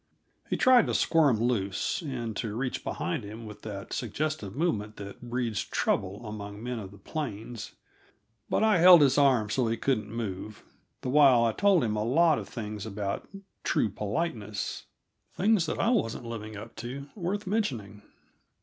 He tried to squirm loose, and to reach behind him with that suggestive movement that breeds trouble among men of the plains; but I held his arms so he couldn't move, the while I told him a lot of things about true politeness things that I wasn't living up to worth mentioning.